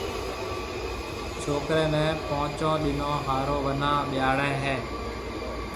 ڇوڪرَي نيَ پونچون ڏنون ھارو وناھ ٻياھݪي ھيَََ